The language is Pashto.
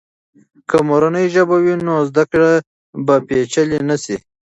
که مورنۍ ژبه وي، نو زده کړه به پیچلې نه سي.